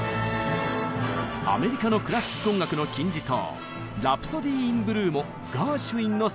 アメリカのクラシック音楽の金字塔「ラプソディー・イン・ブルー」もガーシュウィンの作品。